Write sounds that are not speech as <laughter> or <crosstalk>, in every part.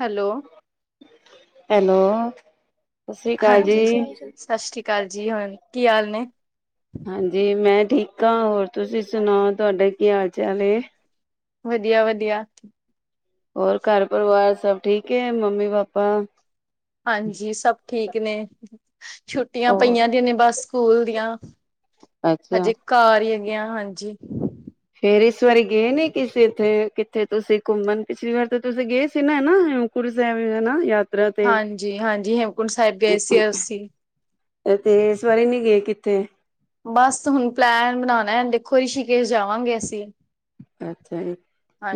Hello. Hello. ਸਤਿ ਸ੍ਰੀ ਅਕਾਲ ਜੀ ਹਾਂਜੀ, ਸਾਸਰੀ ਕਾਲ ਜੀ ਹੋਰ ਕੀ ਹਾਲ ਨੇ। ਹਾਂਜੀ, ਮੈਂ ਠੀਕ ਆ ਹੋਰ ਤੁਸੀਂ ਸੁਣਾਓ ਤੁਹਾਡਾ ਕੀ ਹਾਲ ਚਾਲ ਏ। ਵਧੀਆ-ਵਧੀਆ। ਹੋਰ ਘਰ ਪਰਿਵਾਰ ਸਭ ਠੀਕ ਏ ਮੰਮੀ ਪਾਪਾ, ਹਾਂਜੀ, ਸਭ ਠੀਕ ਨੇ ਛੁੱਟੀਆਂ ਹੋਰ ਪਈਆਂ ਦੀ ਨੇ ਬਸ ਸਕੂਲ ਦੀਆਂ। ਅੱਛਾ ਹਜੇ ਘਰ ਈ ਹੈਗੇ ਆ ਹਾਂਜੀ ਫੇਰ ਇਸ ਵਾਰੀ ਗੇ ਨੀ ਕਿਸੇ ਇੱਥੇ ਕਿੱਥੇ ਤੁਸੀਂ ਘੁੰਮਨ ਪਿਛਲੀ ਵਾਰ ਤਾਂ ਤੁਸੀਂ ਗਏ ਸੀ ਨਾ ਹਨਾ ਹੇਮ ਯਾ ਹਾਂਜੀ ਹਾਂਜੀ ਹੇਮਕੁੰਟ ਸਾਹਿਬ ਗਏ ਸੀ ਅਸੀਂ ਤੇ ਸਵਾਰੀ ਨੀ ਗ ਕਿੱਥੇ ਬਸ ਹੁਨ ਪਲੈਨ ਬਨਾਨਾਂ ਦੇਖੋ ਰਿਸ਼ੀਕੇਸ਼ ਜਾਵਾਂਗੇ ਅਸੀ। ਅੱਛਾ ਜੀ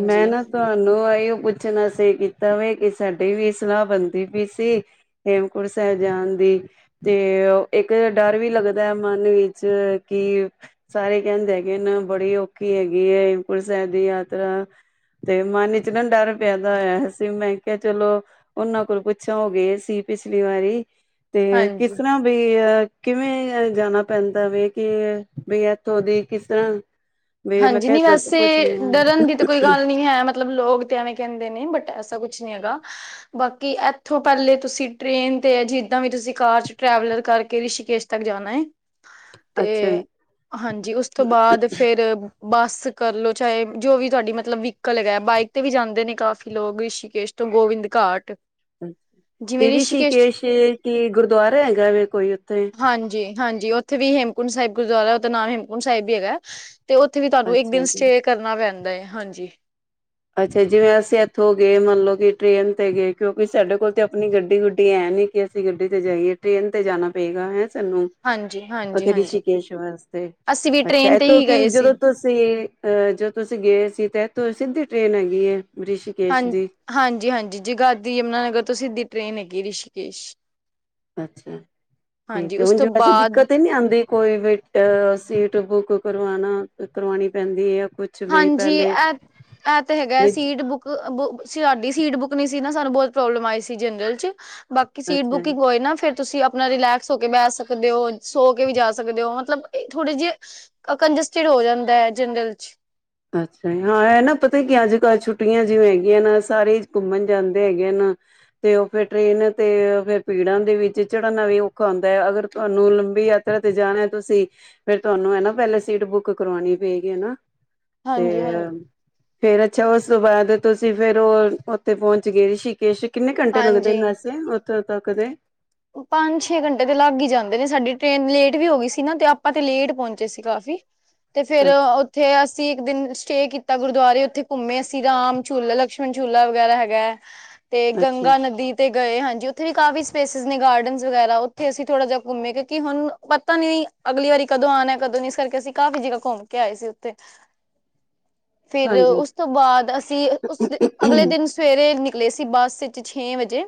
ਮੈਂ ਨਾ ਤੁਹਾਨੂੰ ਆਇਯੋ ਪੁੱਛਣਾ ਸੀ ਕੀਤਾ ਵੇ ਕਿ ਸਾਡੀ ਵੀ ਸਲਾਹ ਬੰਦੀ ਪੀ ਸੀ ਹੇਮਕੁੰਟ ਸਾਹਿਬ ਜਾਣ ਦੀ। ਤੇ ਇੱਕ ਡਰ ਵੀ ਲੱਗਦਾ ਐ ਮਨ ਵਿੱਚ ਕੀ ਸਾਰੇ ਕਹਿੰਦ ਹੈਗੇ ਨਾ ਬੜੀ ਔਖੀ ਹੈਗੀ ਐ ਹੇਮਕੁੰਟ ਸਾਹਿਬ ਦੀ ਯਾਤਰਾ ਤੇ ਮਨ ਵਿਚ ਨਾ ਡਰ ਪੈਦਾ ਹੋਇਆ ਸੀ। ਮੈਂ ਕਿਹਾ ਚਲੋ ਉਹਨਾਂ ਕੋਲ ਪੁੱਛਾਂ ਓਗੇਏ ਸੀ ਪਿਛਲੀ ਵਾਰੀ ਤੇ ਕਿਸ ਹਾਂਜੀ ਤਰ੍ਹਾਂ ਬੀ ਅ ਕਿਵੇਂ ਅ ਜਾਣਾ ਪੈਂਦਾ ਵੇ ਕਿ ਬੀ ਇੱਥੋਂ ਦੀ ਕਿਸ ਤਰ੍ਹਾਂ ਵੇ ਮੈਂ ਹਾਂਜੀ ਕਿਹ ਨਹੀਂ ਵੈਸੇ ਡਰਨ ਦੀ ਤਾਂ ਕੋਈ ਗੱਲ ਨੀ ਹੈ ਮਤਲਬ ਲੋਕ ਤੇ ਐਵੇਂ ਕਹਿੰਦੇ ਨੇ ਬਟ ਐਸਾ ਕੁਛ ਨੀ ਹੈਗਾ ਬਾਕੀ ਇੱਥੋਂ ਪਹਿਲੇ ਤੁਸੀਂ ਟ੍ਰੇਨ ਤੇ ਅ ਜੀ ਜੱਦਾਂ ਵੀ ਤੁਸੀਂ ਕਾਰ ਚ ਟਰੈਵਲਰ ਕਰਕੇ ਰਿਸ਼ੀਕੇਸ਼ ਤੱਕ ਜਾਨਾ ਏ ਤੇ ਅੱਛਾ ਹਾਂਜੀ ਉਸ ਤੋਂ ਬਾਅਦ ਫੇਰ ਬੱਸ ਕਰ ਲੋ ਚਾਹੇ ਜੋ ਵੀ ਤੁਹਾਡੀ ਮਤਲਬ ਵਹੀਕਲ ਹੈਗੇ ਬਾਈਕ ਤੇ ਵੀ ਜਾਂਦੇ ਨੇ ਕਾਫ਼ੀ ਲੋਕ ਰਿਸ਼ੀਕੇਸ਼ ਗੋਬਿੰਦ ਘਾਟ, ਤੇ ਰਿਸ਼ੀਕੇਸ਼ ਕੀ ਗੁਰਦੁਆਰਾ ਹੈਗਾ ਵੇ ਕੋਈ ਉੱਥੇ? ਹਾਂਜੀ ਹਾਂਜੀ ਉੱਥੇ ਵੀ ਹੇਮਕੁੰਟ ਸਾਹਿਬ ਗੁਰਦੁਆਰਾ ਉਹਦਾ ਨਾ ਹੇਮਕੁੰਟ ਸਾਹਿਬ ਵੀ ਹੈਗਾ ਹੈ। ਤੇ ਉੱਥੇ ਵੀ ਤੁਹਾਨੂੰ ਇੱਕ ਦਿਨ ਅੱਛਾ ਜੀ ਸਟੇਅ ਕਰਨਾ ਪੈਂਦਾ ਹੈ ਹਾਂਜੀ ਅੱਛਾ ਜਿਵੇਂ ਅਸੀਂ ਐ ਥੋਂ ਗਏ ਮੰਨਲਓ ਕਿ ਟ੍ਰੇਨ ਤੇ ਗਏ, ਕਿਉਂਕਿ ਸਾਡੇ ਕੋਲ ਤੇ ਆਪਣੀ ਗੱਡੀ ਗੁੱਡੀ ਐ ਨੀ ਕਿ ਅਸੀਂ ਗੱਡੀ ਤੇ ਜਾਈਏ। ਟ੍ਰੇਨ ਤੇ ਜਾਣਾ ਪਏਗਾ ਹੈਂ ਸਾਨੂੰ ਹਾਂਜੀ ਹਾਂਜੀ ਓਥੇ ਹਾਂਜੀ ਰਿਸ਼ੀਕੇਸ਼ ਵਾਸਤੇ ਅਸੀਂ ਵੀ ਅੱਛਾ ਟ੍ਰੇਨ ਤੇ ਇੱਥੋਂ ਹੀ ਕਿ ਗਏ ਸੀ ਜਦੋਂ ਤੁਸੀਂ ਅਹ ਜਦੋਂ ਤੁਸੀਂ ਗਏ ਸੀ ਤ ਤੋਂ ਸਿੱਧੀ ਟ੍ਰੇਨ ਹੈਗੀ ਹੈ। ਹਾਂ, ਦੀ ਹਾਂਜੀ ਹਾਂਜੀ ਜਗਾਧਰੀ ਯਮੁਨਾਨਗਰ ਤੋਂ ਸਿੱਧੀ ਟ੍ਰੇਨ ਹੈਗੀ ਰਿਸ਼ੀਕੇਸ਼ ਅੱਛਾ ਹਾਂਜੀ ਠੀਕ ਹੈ ਉਸ ਓੰਜ ਤੋਂ ਵੈਸੇ ਬਾਅਦ ਦਿੱਕਤ ਤੇ ਨਹੀਂ ਆਉਂਦੀ ਕੋਈ ਵੀ ਅ ਸੀਟ ਬੁੱਕ ਕਰਵਾਣਾ ਕਰਵਾਉਣੀ ਪੈਂਦੀ ਹੈ ਕੁਛ ਵੀ ਹਾਂਜੀ ਪਹਿਲੇ ਇਹ ਇਹ ਤੇ ਹੈਗਾ ਵਿੱਚ ਸੀਟ ਬੁੱਕ ਬੁ ਸਾਡੀ ਸੀਟ ਬੁੱਕ ਨੀ ਸੀ ਨਾ ਸਾਨੂੰ ਬਹੁਤ ਪ੍ਰੋਬਲਮ ਆਈ ਸੀ ਜਨਰਲ ਚ ਬਾਕੀ ਸੀਟ ਅੱਛਾ ਬੁਕਿੰਗ ਹੋਏ ਨਾ ਫਿਰ ਤੁਸੀਂ ਆਪਣਾ ਰਿਲੈਕਸ ਹੋ ਕੇ ਬਹਿ ਸਕਦੇ ਹੋ, ਸੋ ਕੇ ਵੀ ਜਾ ਸਕਦੇ ਹੋ ਮਤਲਬ ਇਹ ਥੋੜੇ ਜਿਹੇ ਆ ਜੱਸਟਿਡ ਹੋ ਜਾਂਦਾ ਹੈ ਜਨਰਲ ਚ, ਅੱਛਾ ਹਾਂ ਇਹ ਨਾ ਪਤਾ ਕੀ ਅੱਜ ਕੱਲ੍ਹ ਛੁੱਟੀਆਂ ਜਿਵੇਂ ਹੈਗੀਆਂ ਨਾ ਸਾਰੇ ਘੁੰਮਣ ਜਾਂਦੇ ਹੈਗੇ ਹਨ। ਤੇ ਉਹ ਫਿਰ ਟਰੇਨ ਤੇ ਫਿਰ ਭੀੜਾਂ ਦੇ ਵਿੱਚ ਚੜਨਨਾ ਵੀ ਔਖਾ ਹੁੰਦਾ ਹੈ ਅਗਰ ਤੁਹਾਨੂੰ ਲੰਬੀ ਯਾਤਰਾ ਤੇ ਜਾਣਾ ਤੁਸੀਂ ਫਿਰ ਤੁਹਾਨੂੰ ਹੈ ਨਾ ਪਹਿਲੇ ਸੀਟ ਬੁੱਕ ਕਰਵਾਉਣੀ ਪਏਗੀ ਨਾ ਤੇ ਹਾਂਜੀ ਹਾਂਜੀ ਫੇਰ ਅੱਛਾ ਉਸ ਤੋਂ ਬਾਅਦ ਤੁਸੀਂ ਫੇਰ ਉਹ ਉੱਥੇ ਪਹੁੰਚ ਗਏ ਰਿਸ਼ੀਕੇਸ਼ ਕਿੰਨੇ ਘੰਟੇ ਲੱਗਦੇ ਨੇ ਹਾਂਜੀ ਵੈਸੇ ਉੱਥੋਂ ਤੱਕ ਦੇ? ਪੰਜ ਛੇ ਘੰਟੇ ਤੇ ਲੱਗ ਹੀ ਜਾਂਦੇ ਨੇ ਸਾਡੀ ਟ੍ਰੇਨ ਲੇਟ ਵੀ ਹੋ ਗਈ ਸੀ, ਨਾ ਤੇ ਆਪਾਂ ਤੇ ਲੇਟ ਪਹੁੰਚੇ ਸੀ। ਘਰ। ਤੇ ਫੇਰ ਅੱਛਾ ਉੱਥੇ ਅਸ ਅਸੀਂ ਇੱਕ ਦਿਨ ਸਟੇ ਕੀਤਾ, ਗੁਰਦੁਆਰੇ ਉੱਥੇ ਘੁੰਮੇ ਅਸੀਂ ਰਾਮ ਝੂਲਾ, ਲਕਸ਼ਮਣ ਝੂਲਾ ਵਗੈਰਾ ਹੈਗਾ ਹੈ। ਤੇ ਅੱਛਾ ਗੰਗਾ ਨਦੀ ਤੇ ਗਏ ਹਾਂਜੀ ਉੱਥੇ ਵੀ ਕਾਫ਼ੀ ਸਪੇਸ ਨੇ ਗਾਰਡਨਸ ਵਗੈਰਾ ਉੱਥੇ ਅਸੀਂ ਥੋੜਾ ਜਿਹਾ ਘੁੰਮੇ ਕਿਉਂਕਿ ਹੁਣ ਪਤਾ ਨੀ ਅਗਲੀ ਵਾਰੀ ਕਦੋਂ ਆਉਣਾ ਕਦੋਂ ਨੀ ਇਸ ਕਰਕੇ ਅਸੀਂ ਕਾਫ਼ੀ ਜਗ੍ਹਾ ਘੁੰਮ ਕੇ ਆਏ ਸੀ ਉੱਤੇ <inaudible> ਫਿਰ ਹਾਂਜੀ ਉਸ ਤੋਂ ਬਾਅਦ ਅਸੀ ਉਸ ਅਗਲੇ ਦਿਨ ਸਵੇਰੇ ਨਿਕ ਨਿਕਲੇ ਸੀ ਬੱਸ ਇਚ ਛੇ ਵਜੇ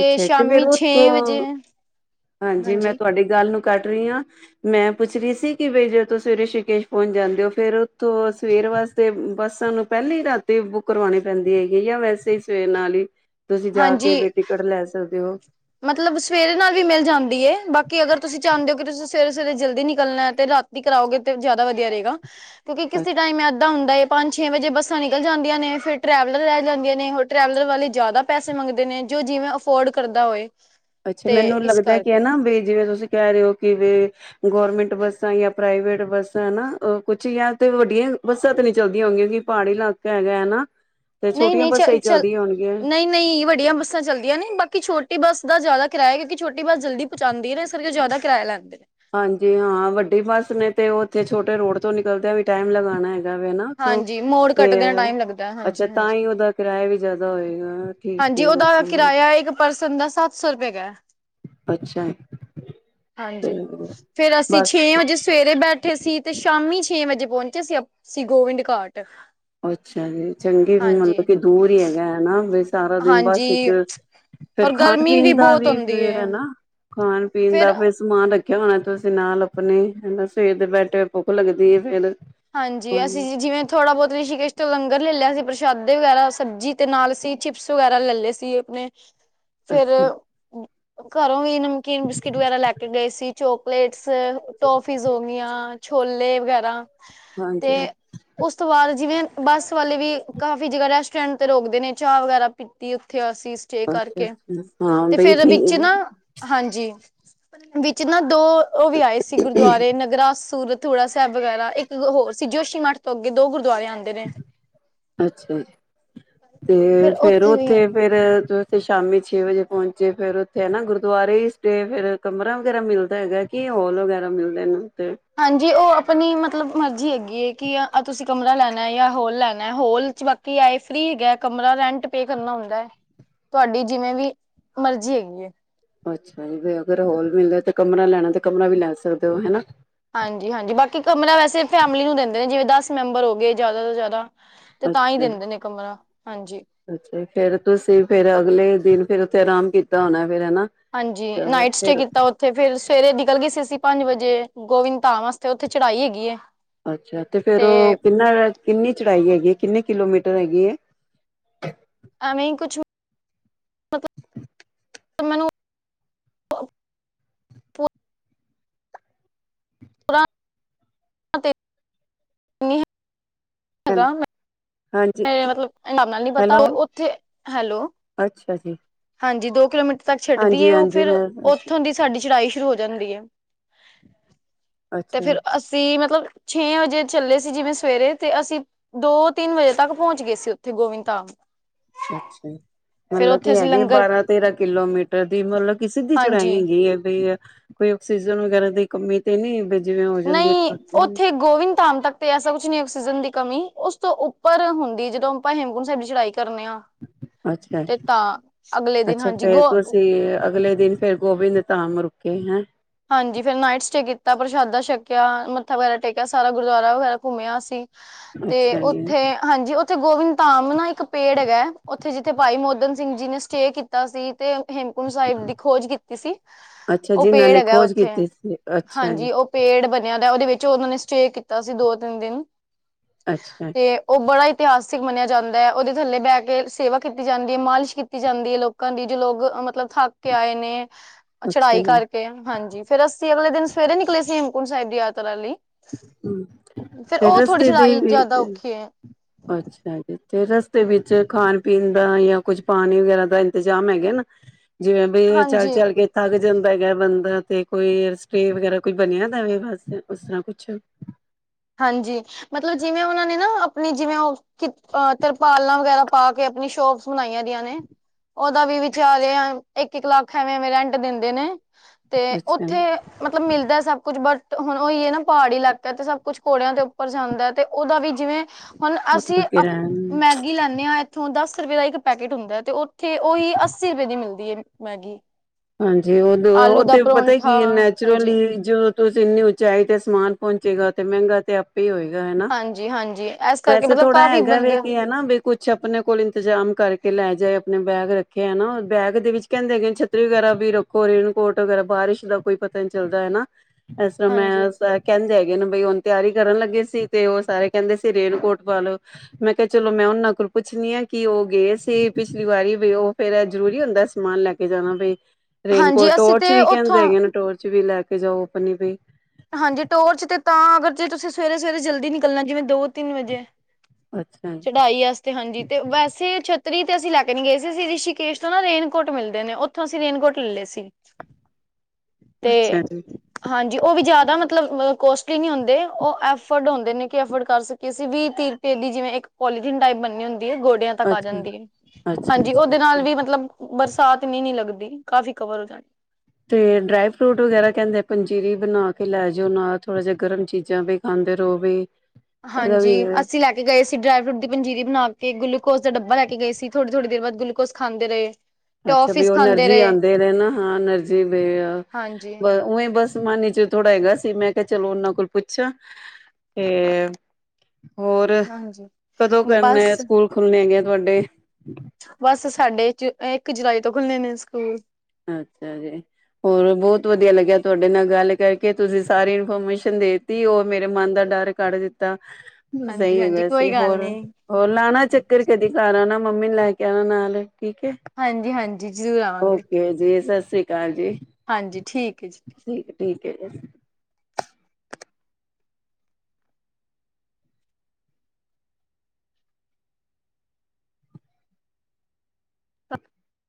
ਅੱਛਾ ਤੇ ਫੇਰ ਉਹ ਛੇ ਵਜੇ ਨੇ ਹਾਂਜੀ ਮੈਂ ਤੁਹਾਡੀ ਗੱਲ ਨੂੰ ਕੱਟ ਰਹੀ ਆ ਮੈਂ ਪੁੱਛ ਰਹੀ ਸੀ ਕਿ ਬਈ ਜਦ ਸਵੇਰੇ ਰਿਸ਼ੀਕੇਸ਼ ਪਹੁੰਚ ਜਾਂਦੇ ਓ ਫੇਰ ਉੱਥੋਂ ਸਵੇਰ ਵਾਸਤੇ ਬੱਸ ਸਾਨੂੰ ਪਹਿਲੀ ਹੀ ਰਾਤੀ ਬੁੱਕ ਕਰਵਾਣੀ ਪੈਂਦੀ ਹੈਗੀ ਯਾਂ ਵੈਸੇ ਈ ਸਵੇਰ ਨਾਲ ਈ? ਤੁਸੀ ਜਾ ਕੇ ਹਾਂਜੀ ਵੀ ਟਿਕਟ ਲੈ ਸਕਦੇ ਓ ਮਤਲਬ ਸਵੇਰੇ ਨਾਲ ਵੀ ਮਿਲ ਜਾਂਦੀ ਏ ਬਾਕੀ ਅਗਰ ਤੁਸੀਂ ਚਾਹੁੰਦੇ ਓ ਕਿ ਤੁਸੀਂ ਸਵੇਰੇ ਸਵੇਰੇ ਜਲਦੀ ਨਿਕਲਣਾ ਤੇ ਰਾਤੀ ਕਰਾਓਗੇ ਤੇ ਜ਼ਿਆਦਾ ਵਧੀਆ ਰਹੇਗਾ ਕਿਉਂਕਿ ਅੱਛਾ ਕਿਸੇ ਟਾਈਮ ਏ ਐਦਾਂ ਹੁੰਦਾ ਏ ਪੰਜ ਛੇ ਵਜੇ ਬੱਸਾਂ ਨਿਕਲ ਜਾਂਦੀਆਂ ਨੇ ਫਿਰ ਟਰੈਵਲਰ ਰਹਿ ਜਾਂਦੀਆਂ ਨੇ ਹੋਰ ਟਰੈਵਲਰ ਵਾਲੇ ਜ਼ਿਆਦਾ ਪੈਸੇ ਮ ਮੰਗਦੇ ਨੇ ਜੋ ਜਿਵੇਂ ਅਫੋਰਡ ਕਰਦਾ ਹੋਏ। ਅੱਛਾ ਤੇ ਮੈਨੂੰ ਇਸ ਲੱਗਦਾ ਕਿ ਕਰਕੇ ਨਾ ਵੀ ਜਿਵੇਂ ਤੁਸੀਂ ਕਹਿ ਰਹੇ ਹੋ ਕਿ ਵੀ ਗੌਰਮੈਂਟ ਬੱਸਾਂ ਯਾ ਪ੍ਰਾਈਵੇਟ ਬੱਸਾਂ ਹੈਨਾ ਕੁਛ ਜਾਂ ਫਿਰ ਵੱਡੀਆਂ ਬੱਸਾਂ ਤੇ ਨਹੀਂ ਚਲਦੀਆਂ ਹੋਣਗੀਆਂ ਪਹਾੜੀ ਇਲਾਕਾ ਹੈਗਾ ਨਾ। ਤੇ ਨਹੀਂ ਛੋਟੀਆਂ ਨਹੀਂ ਚ ਬੱਸਾਂ ਹੀ ਚੱਲ ਚੱਲਦੀਆਂ ਹੋਣਗੀਆਂ ਨਹੀਂ ਨਹੀਂ ਵੱਡੀਆਂ ਬੱਸਾਂ ਚੱਲਦੀਆਂ ਨੇ ਬਾਕੀ ਛੋਟੀ ਬੱਸ ਦਾ ਜ਼ਿਆਦਾ ਕਿਰਾਇਆ ਕਿਉਕਿ ਛੋਟੀ ਬਸ ਜਲਦੀ ਪਹੁੰਚਉਂਦੀ ਏ ਨਾ ਇਸ ਕਰਕੇ ਜ਼ਿਆਦਾ ਕਿਰਾਇਆ ਲੈਂਦੇ ਨੇ ਹਾਂਜੀ ਹਾਂ ਵੱਡੀ ਬੱਸ ਨੇ ਤੇ ਉਥੇ ਛੋਟੇ ਰੋਡ ਤੋਂ ਨਿਕਲਦਿਆਂ ਵੀ ਟਾਈਮ ਲਗਾਨਾ ਏ ਹੈਗਾ ਨਾ ਤੋਂ ਹਾਂਜੀ ਮੋੜ ਤੇ ਕੱਟਦਿਆਂ ਟਾਈਮ ਲੱਗਦਾ ਅੱਛਾ ਤਾਂ ਹਾਂਜੀ-ਹਾਂਜੀ। ਹੀ ਉਹਦਾ ਕਿਰਾਇਆ ਵੀ ਜ਼ਿਆਦਾ ਹੋਏਗਾ ਠੀਕ ਹਾਂਜੀ ਹੈ ਮੈਂ ਉਹਦਾ ਸਮਝ ਕਿਰਾਇਆ ਇੱਕ ਪਰਸਨ ਦਾ ਸੱਤ ਸੌ ਰੁਪਏ ਹੇਗਾ ਅੱਛਾ ਤੇ ਹਾਂਜੀ ਫੇਰ ਅਸੀਂ ਛੇ ਬਸ ਵਜੇ ਸਵੇਰੇ ਬੈ ਉੱਠੇ ਸੀ ਤੇ ਸ਼ਾਮੀ ਛੇ ਵਜੇ ਪਹੁੰਚੇ ਸੀ ਸੀ ਗੋਵਿੰਦ ਘਾਟ। ਅੱਛਾ ਜੀ ਚੰਗੇ ਹਾਂਜੀ ਮਤਲਬ ਕਿ ਦੂਰ ਹੀ ਹੈਗਾ ਹੈ‌ ਨਾ। ਸਾਰਾ ਦਿਨ ਬਸ ਹਾਂਜੀ ਚ ਫੇਰ ਔਰ ਖਾਣ ਗਰਮੀ ਪੀਣ ਦਾ ਬਹੁਤ ਵੀ ਹੁੰਦੀ ਫਿਰ ਹੈ ਨਾ ਖਾਨ ਪੀਨ ਦਾ ਫੇਰ ਸਮਾਨ ਰੱਖ ਕਿ ਹੋਣਾ ਤੁਸੀਂ ਨਾਲ ਅਪਨੇ ਹਨਾ ਸਵੇਰ ਦੇ ਬੈਠੇ ਭੁੱਖ ਲੱਗਦੀ ਏ ਫੇਰ ਹਾਂਜੀ ਅਸੀਂ ਜਿਵੇ ਥੋੜਾ ਬਹੁਤ ਰਿਸ਼ੀਕੇਸ਼ ਲੰਗਰ ਲੈ ਲਿਆ ਸੀ ਪ੍ਰਸ਼ਾਦੇ ਵਗੈਰਾ ਸਬਜ਼ੀ ਤੇ ਨਾਲ ਅਸੀਂ ਚਿਪਸ ਵਗੈਰਾ ਲੈ ਲਏ ਸੀ ਅਪਨੇ ਫਿਰ ਅੱਛਾ ਘਰੋਂ ਵੀ ਨਮਕੀਨ ਬਿਸਕਿਟ ਵਗੈਰਾ ਲੈ ਕੇ ਗਏ ਸੀ ਚੌਕ ਪਲੇਟਸ ਟੋਫੀਜ਼ ਹੋ ਗਈਆਂ ਛੋਲੇ ਵਗੈਰਾ ਕ ਤੇ ਹਾਂਜੀ ਉਸ ਤੋਂ ਬਾਅਦ ਜਿਵੇਂ ਬੱਸ ਵਾਲੇ ਵੀ ਕਾਫ਼ੀ ਜਗ੍ਹਾ ਰੈਸਟੋਰੈਂਟ ਤੇ ਰੋਕਦੇ ਨੇ ਚਾਹ ਵਗੈਰਾ ਪੀਤੀ ਉੱਥੇ ੳਥੇ ਅਸੀ ਸਟੇ ਅੱਛਾ ਅੱਛਾ ਕਰਕੇ ਹਾਂ ਤੇ ਬਈ ਫੇਰ ਵਿੱਚ ਠੀਕ ਨਾ ਹਾਂਜੀ। ਵਿੱਚ ਨਾ ਦੋ ਉਹ ਵੀ ਆਏ ਸੀ ਗੁਰਦੁਆਰੇ ਨਗਰਾ ਸੂਰ ਥੋੜਾ ਸਾਹਿਬ ਵਗੈਰਾ ਇੱਕ ਹੋਰ ਸੀ ਜੋਸ਼ੀ ਮਠ ਤੋਂ ਅੱਗੇ ਦੋ ਗੁਰਦੁਆਰਿਆਂ ਅੱਛਾ ਜੀ ਤੇ ਫਿਰ ਫੇਰ ਵੀ ਉੱਥੇ ਫੇਰ ਤੇ ਸ਼ਾਮੀ ਛੇ ਵਜੇ ਪਹੁੰਚੇ ਫੇਰ ਉੱਥੇ ਨਾ ਗੁਰਦੁਆਰੇ ਸਟੇ ਫੇਰ ਕਮਰਾ ਵਗੈਰਾ ਮਿਲਦਾ ਹੈਗਾ ਕਿ ਹੋਲ ਵਗੈਰਾ ਮਿਲਦੇ ਨੇ। ਉੱਥੇ? ਹਾਂਜੀ ਉਹ ਆਪਣੀ ਮਤਲਬ ਮਰਜੀ ਹੈਗੀ ਕਿ ਤੁਸੀਂ ਕਮਰਾ ਲੈਨਾ। ਜਾਂ ਹੋਲ ਲੈਣਾ ਹੋਲ ਚ ਬਾਕੀ ਆਏ ਫ੍ਰੀ ਹੈਗਾ ਕਮਰਾ ਰੈਂਟ ਪੇ ਕਰਨਾ ਹੁੰਦਾ ਹੈ। ਤੁਹਾਡੀ ਜਿਵੇਂ ਵੀ ਮਰਜ਼ੀ ਹੈਗੀ ਏ। ਅੱਛਾ ਜੀ ਅਗਰ ਹੋਰ ਵੀ ਮਿਲਦਾ ਕਮਰਾ ਲੈਣਾ ਤੇ ਕਮਰਾ ਵੀ ਲੈ ਸਕਦੇ ਓ ਹੈਨਾ। ਹਾਂਜੀ ਹਾਂਜੀ ਬਾਕੀ ਕਮਰਾ ਵੈਸੇ ਫੈਮਿਲੀ ਨੂੰ ਦੇਂਦੇ ਨੇ ਜਿਵੇਂ ਦਸ ਮੈਂਬਰ ਹੋ ਗਏ ਜ਼ਿਆਦਾ ਤੋਂ ਜ਼ਿਆਦਾ ਤੇ ਤਾਂ ਹੀ ਅੱਛਾ ਦਿੰਦੇ ਨੇ ਕਮਰਾ ਹਾਂਜੀ। ਅੱਛਾ ਫੇਰ ਤੁਸੀਂ ਫੇਰ ਅਗਲੇ ਦਿਨ ਫੇਰ ਉੱਥੇ ਅਰਾਮ ਕੀਤਾ ਹੋਣਾ? ਫੇਰ ਹਨਾ? ਹਾਂਜੀ ਅੱਛਾ ਨਾਈਟ ਸਟੇ ਫੇਰ ਕੀਤਾ ਉੱਥੇ ਫੇਰ। ਸਵੇਰੇ ਨਿਕਲ ਗਏ ਸੀ ਅਸੀਂ ਪੰਜ ਵਜੇ ਗੋਵਿੰਦ ਧਾਮ ਵਾਸਤੇ ਉੱਥੇ ਚੜ੍ਹਾਈ ਹੈਗੀ ਏ। ਅੱਛਾ ਤੇ ਫੇਰ ਉਹ ਕਿੰਨਾ ਕਿੰਨੀ ਚੜਾਈ ਹੈਗੀ ਏ ਕਿੰਨੀ? ਕਿਲੋਮੀਟਰ ਹੈਗੀ ਏ। ਏਵੇਂ ਕੁਛ ਮਤ ਮੈਨੂੰ <unintelligible> <unintelligible> ਹੇਗਾ। ਹਾਂਜੀ ਮ ਮਤਲਬ ਹਾਬ ਨਾਲ ਨੀ ਪਤਾ ਹੈਲੋ ਉੱਥੇ ਹੈਲੋ ਅੱਛਾ ਜੀ ਹਾਂਜੀ ਦੋ ਕਿਲੋਮੀਟਰ ਤੱਕ ਛੱਡਦੀ ਹਾਂਜੀ ਐ, ਉਹ ਹਾਂਜੀ ਫਿਰ ਮੈਂ ਉੱਥੋਂ ਦੀ ਸਾਡੀ ਚੜਾਈ ਸ਼ੁਰੂ ਹੋ ਜਾਂਦੀ ਹੈ। ਤੇ ਅੱਛਾ ਫੇਰ ਅਸੀਂ ਮਤਲਬ ਛੇ ਵਜੇ ਚੱਲੇ ਸੀ ਜਿਵੇਂ ਸਵੇਰੇ ਤੇ ਅਸੀਂ ਦੋ ਤਿੰਨ ਵਜੇ ਤੱਕ ਪਹੁੰਚ ਗਏ ਸੀ, ਉੱਥੇ ਗੋਬਿੰਦ ਧਾਮ। ਅੱਛਾ। ਫੇਰ ਮਤਲਬ ਉੱਥੇ ਕੀ ਅਸੀਂ ਹੈਗੇ ਲੰਗਰ ਬਾਰਾਂ-ਤੇਰਾਂ ਕਿਲੋਮੀਟਰ ਦੀ ਮਤਲਬ ਕਿ ਸਿੱਧੀ ਚੜਾਈ ਹਾਂਜੀ ਹੈਗੀ ਹੈ ਵੀਈ। ਕੋਈ ਆਕਸੀਜਨ ਵਗੈਰਾ ਦੀ ਕਮੀ ਤੇ ਨਹੀਂ। ਜਿਵੇਂ ਹੋ ਜਾਂਦੀ ਨਹੀਂ ਹੈ ਉੱਥੇ ਗੋਬਿੰਦ ਧਾਮ ਤੱਕ ਤੇ ਐਸਾ ਕੁਛ ਨਹੀਂ। ਸੀਜਨ ਦੀ ਕਮੀ, ਉਸ ਤੋਂ ਉੱਪਰ ਹੁੰਦੀ ਜਦੋਂ ਆਪਾਂ ਹੇਮਕੁੰਟ ਸਾਹਿਬ ਦੀ ਚੜਾਈ ਕਰਨੇ ਹਾਂ। ਅੱਛਾ-ਅੱਛਾ, ਹਾਂਜੀ ਫੇਰ ਗੋ ਤੁਸੀਂ ਅਗਲੇ ਦਿਨ ਫੇਰ ਗੋਬਿੰਦ ਧਾਮ ਰੁ ਕਿ ਹੈਂ। ਹਾਂਜੀ ਫਿਰ ਨਾਈਟ ਸਟੇ ਕੀਤਾ। ਪ੍ਰਸ਼ਾਦਾ ਛਕਿਆ, ਮੱਥਾ ਵਗੈਰਾ ਟੇਕਿਆ ਸਾਰਾ ਗੁਰਦੁਆਰਾ ਵਗੈਰਾ ਘੁੰਮਿਆ ਅਸੀਂ। ਤੇ ਅੱਛਾ ਜੀ ਉੱਥੇ ਹਾਂਜੀ ਉੇ ਉੱਥੇ ਗੋਬਿੰਦ ਧਾਮ ਨਾ ਇੱਕ ਪੇੜ ਹੈਗਾ ਹੈ ਉੱਥੇ ਜਿੱਥੇ ਭਾਈ ਮੋਦਨ ਸਿੰਘ ਜੀ ਨੇ ਸਟੇਅ ਕੀਤਾ ਸੀ। ਤੇ ਹੇਮਕੁੰਟ ਸਾਹਿਬ ਦੀ ਖੋਜ ਕੀਤੀ ਸੀ ਅੱਛਾ ਉਹ ਜਿਨਾਂ ਪੇੜ ਨੇ ਖੋਜ ਉੱਥੇ ਕੀਤੀ ਸੀ ਅੱਛਾ ਜੀ ਹਾਂਜੀ ਉਹ ਪੇੜ ਵ ਦਾ ਉਹਦੇ ਵਿੱਚ ਉਹਨਾਂ ਨੇ ਸਟੇ ਕੀਤਾ ਸੀ ਦੋ ਤਿੰਨ ਦਿਨ ਅੱਛਾ ਤੇ ਉਹ ਬੜਾ ਇਤਿਹਾਸਿਕ ਮੰਨਿਆ ਜਾਂਦਾ ਏ, ਉਹਦੇ ਥੱਲੇ ਬਹਿ ਕੇ ਸੇਵਾ ਕੀਤੀ ਜਾਂਦੀ ਐ। ਮਾਲਿਸ਼ ਕੀਤੀ ਜਾਂਦੀ ਏ, ਲੋਕਾਂ ਦੀ ਜੋ ਲੋਕ ਮਤਲਬ ਥੱਕ ਕੇ ਆਏ ਨੇ ਅੱਛਾ ਚੜਾਈ ਜੀ ਕਰਕੇ ਹਾਂਜੀ ਫੇਰ ਅਸੀਂ ਅਗਲੇ ਦਿਨ ਸਵੇਰੇ ਨਿਕਲੇ ਸੀ ਹੇਮਕੁੰਟ ਸਾਹਿਬ ਦੀ ਯਾਤਰਾ ਲਈ ਰੂੰ, ਫੇਰ ਤੇ ਉਹ ਥੋੜ੍ਹੀ ਰਸਤੇ ਦੀ ਚੜਾਈ ਵਿੱਚ ਜ਼ਿਆਦਾ ਔਖੀ ਹੈ ਅੱਛਾ ਜੀ। ਤੇ ਰਸਤੇ ਵਿੱਚ ਖਾਣ ਪੀਣ ਦਾ ਜਾਂ ਕੁੱਝ ਪਾਣੀ ਵਗ਼ੈਰਾ ਦਾ ਇੰਤਜ਼ਾਮ ਹੈਗੇ ਨਾ ਜਿਵੇਂ ਬਈ ਹਾਂਜੀ ਚੱਲ-ਚੱਲ ਕੇ ਥੱਕ ਜਾਂਦਾ ਹੈਗਾ ਬੰਦਾ ਤੇ ਕੋਈ ਸਟੇ ਵਗੈਰਾ ਕੋਈ ਬਣਿਆ ਦਾ ਵੇ ਬਸ ਉਸ ਤਰ੍ਹਾਂ ਕੁਛ ਹਾਂਜੀ, ਮਤਲਬ ਜਿਵੇਂ ਉਹਨਾਂ ਨੇ ਨਾ ਆਪਣੀ ਜਿਵੇਂ ਉਹ ਅ ਤਰਪਾਲਾਂ ਵਗੈਰਾ ਪਾ ਕੇ ਆਪਣੀ ਸ਼ੋਪਸ ਬਣਾਈਆਂ ਦੀਆਂ ਨੇ ਉਹਦਾ ਵੀ ਵਿਚਾਰੇ ਇੱਕ-ਇੱਕ ਲੱਖ ਐਵੇਂ-ਐਵੇਂ ਰੈਂਟ ਦਿੰਦੇ ਨੇ ਤੇ ਅੱਛਾ ਉੱਥੇ ਮਤਲਬ ਮਿਲਦਾ ਸਭ ਕੁੱਛ ਬਟ ਹੁਣ ਉਹੀ ਹੈ ਨਾ ਪਹਾੜੀ ਇਲਾਕਾ ਤੇ ਸਭ ਕੁੱਛ ਘੋੜਿਆਂ ਦੇ ਉੱਪਰ ਜਾਂਦਾ ਹੈ ਤੇ ਉਹਦਾ ਵੀ ਜਿਵੇਂ ਹੁਣ ਅਸੀਂ ਹਾਂ ਅਪ ਕਿਰਾਨ ਮੈਗੀ ਲੈਂਦੇ ਹਾਂ ਇੱਥੋਂ ਦਸ ਰੁਪਏ ਦਾ ਇੱਕ ਪੈਕੇਟ ਹੁੰਦਾ ਹੈ ਤੇ ਉਥ ਤੇ ਉਹੀ ਅੱਸੀ ਰੁਪਏ ਦੀ ਮਿਲਦੀ ਐ, ਮੈਗੀ ਹਾਂਜੀ, ਉਹ ਦੋ ਉਹ ਆਲੂ ਦਾ ਤੇ ਪਤਾ ਪਰੌਂਠਾ ਕੀ ਹਾਂਜੀ ਨੈਚੁਰਲੀ ਜੋ ਤੁਸੀਂ ਇੰਨੀ ਉਚਾਈ ਤੇ ਸਮਾਨ ਪਹੁੰਚੇਗਾ ਤੇ ਮਹਿੰਗਾ ਤੇ ਆਪੇ ਹੀ ਹੋਏਗਾ ਹਨਾ। ਹਾਂਜੀ- ਹਾਂ। ਵੈਸੇ ਥੋੜ੍ਹਾ ਹੈਗਾ ਵੇ ਕੀ ਹੈ ਨਾ ਵੀ ਕੁਛ ਆਪਣੇ ਕੋਲ ਇੰਤਜ਼ਾਮ ਕਰਕੇ ਲੈ ਜਾਏ ਆਪਣੇ ਬੈਗ ਰੱਖਿਆ ਨਾ ਬੈਗ ਦੇ ਵਿੱਚ ਕਹਿੰਦੇ ਵਗੈਰਾ ਵੀ ਰੱਖੋ ਰੇਨਕੋਟ ਵਗੈਰਾ ਬਾਰਿਸ਼ ਦਾ ਕੋਈ ਪਤਾ ਨ ਚੱਲਦਾ ਹੈਨਾ ਇਸ ਤਰ੍ਹਾਂ ਹਾਂਜੀ ਮੈਂ ਕਹਿੰਦੇ ਹੈਗੇ ਬਈ ਹੁਣ ਤਿਆਰੀ ਕਰਨ ਲੱਗੇ ਸੀ ਤੇ ਉਹ ਸਾਰੇ ਕਹਿੰਦੇ ਸੀ ਰੇਨਕੋਟ ਪਾ ਲਓ। ਮੈਂ ਕਿਹਾ ਚਲੋ ਮੈਂ ਉਹਨਾਂ ਕੋਲ ਪੁੱਛਣੀ ਆ ਕਿ ਉਹ ਗਏ ਸੀ ਪਿਛਲੀ ਵਾਰੀ ਵੀ ਉਹ ਫੇਰ ਜਰੂਰੀ ਹੁੰਦਾ ਸਮਾਨ ਲੈ ਕੇ ਜਾਣਾ ਬਈ ਰੇਨਕੋਟ ਹਾਂਜੀ ਅਸੀਂ ਟੋਰਚ ਤੇ ਵੀ ਕਹਿੰਦੇ ਉੱਥੋਂ ਹੈਗੇ ਨੇ ਟੋਰਚ ਵੀ ਲੈ ਕੇ ਜਾਓ ਅਪਨੀ ਬਈ ਹਾਂਜੀ, ਟੋਰਚ ਤੇ ਤਾਂ ਅਗਰ ਜੇ ਤੁਸੀਂ ਸਵੇਰੇ-ਸਵੇਰੇ ਜਲਦੀ ਨਿਕਲਣਾ ਜਿਵੇਂ ਦੋ ਤਿੰਨ ਵਜੇ ਅੱਛਾ ਚੜਾਈ ਆਸਤੇ ਹਾਂਜੀ ਤੇ ਵੈਸੇ ਛੱ ਤਰੀਹ ਤੇ ਅਸੀਂ ਲੈ ਕੇ ਨੀ ਗਏ ਸੀ ਰਿਸ਼ੀਕੇਸ਼ ਤੋਂ ਨਾ ਰੇਨਕੋਟ ਮਿਲਦੇ ਨੇ ਉੱਥੋਂ ਅਸੀਂ ਰੇਨਕੋਟ ਲੈਲੇ ਸੀ <inaudible> ਤੇ ਅੱਛਾ ਜੀ ਹਾਂ। ਉਹ ਵੀ ਜ਼ਿਆਦਾ ਮਤਲਬ ਕੋਸਟਲੀ ਨਹੀਂ ਹੁੰਦੇ, ਉਹ ਐਫੋਰਡ ਹੁੰਦੇ ਨੇ ਕਿ ਐਫੋਰਡ ਕਰ ਸਕੀਏ ਅਸੀਂ ਵੀਹ ਤੀਹ ਰੁਪਏ ਜਿਵੇਂ ਇੱਕ ਪੋਲੀਥਨ ਟਾਈਪ ਬੰਣੇ ਹੁੰਦੀ ਗੋਡਿਆਂ ਤੱਕ ਆ ਅੱਛਾ ਜਾਂਦੀ ਏ, ਅੱਛਾ ਹਾਂਜੀ ਅੱਛਾ ਉਹਦੇ ਅੱਛਾ ਨਾਲ ਵੀ ਮਤਲਬ ਬਰਸਾਤ ਵੀ ਨੀ ਲੱਗਦੀ। ਕਾਫੀ ਕਵਰ ਹੋ ਜਾਣੀ। ਤੇ ਡਰਾਈ ਫਰੂਟ ਵਗੈਰਾ ਕਹਿੰਦੇ ਪੰਜੀਰੀ ਬਣਾ ਕੇ ਲੈ ਜਾਓ ਨਾਲ, ਥੋੜਾ ਜਿਹਾ ਗਰਮ ਚੀਜ਼ਾਂ ਵੀ ਖਾਂ ਦੇ ਰੋ ਵੀ ਇਹਦਾ ਹਾਂਜੀ, ਵੀ ਅਸੀਂ ਲੈ ਕੇ ਗਏ ਸੀ ਡਰਾਈ ਫਰੂਟ ਦੀ ਪੰਜੀਰੀ ਬਣਾ ਕੇ ਗਲੂਕੋਸ ਤੇ ਡੱਬਾ ਲੈ ਕੇ ਗਏ ਸੀ, ਥੋੜ੍ਹੀ -ਥੋੜੀ ਦੇਰ ਬਾਦ ਗਲੂਕੋਸ ਖਾਂਦੇ ਰਹੇ। ਅੱਛਾ ਵੀ, ਟੋਫੀਸ ਉਹ ਖਾਂਦੇ ਅਨਰਜੀ ਰਹੇ ਆਂਦੇ ਨੇ ਨਾ ਹਾਂ, ਅਨਰਜੀ ਦੇ ਆ। ਹਾਂਜੀ ਬ ਉਵੇਂ ਬਸ ਮਨ ਵਿਚ ਥੋੜਾ ਹੈਗਾ ਸੀ। ਤੇ ਮੈਂ ਕਿਹਾ ਚਲੋ ਉਹਨਾਂ ਕੋਲ ਪੁੱਛਾਂ ਤੇ ਹੋਰ ਹਾਂਜੀ ਕਦੋਂ ਕਰਨਾ, ਬਸ ਸਕੂਲ ਖੁੱਲਣੇ ਹੈਗੇ ਆ ਤੁਹਾਡੇ। ਬਸ ਸਾਡੇ ਇੱਕ ਜੁਲਾਈ ਤੋਂ ਖੁੱਲਨੇ ਸਕੂਲ। ਅੱਛਾ ਜੀ, ਹੋਰ ਬਹੁਤ ਵਧੀਆ ਲੱਗਿਆ ਤੁਹਾਡੇ ਨਾਲ ਗੱਲ ਕਰਕੇ, ਤੁਸੀਂ ਸਾਰੀ ਇਨਫੋਰਮੇਸ਼ਨ ਦੇਤੀ ਉਹ ਮੇਰੇ ਮਨ ਦਾ ਡਰ ਕੱਢ ਦਿੱਤਾ। ਹਾਂਜੀ ਸਹੀ ਹੈ ਹਾਂਜੀ ਵੈਸੇ, ਕੋਈ ਗੱਲ ਨੀ ਹੋਰ- ਹੋਰ ਲਾਣਾ ਚੱਕਰ ਕਦੀ ਘਰ ਆਨਾ। ਮੰਮੀ ਨੂੰ ਲੈ ਕੇ ਆਣਾ ਨਾਲ। ਠੀਕ ਹੈ ਹਾਂਜੀ- ਹਾਂਜੀ, ਜ਼ਰੂਰ ਆਵਾਂਗੇ। ਓਕੇ ਜੀ ਸਸ ਰੀ ਕਾਲ ਜੀ। ਹਾਂਜੀ, ਠੀਕ ਹੈ ਜੀ ਠੀਕ। <inaudible>